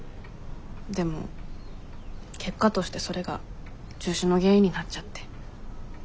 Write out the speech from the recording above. でも結果としてそれが中止の原因になっちゃって。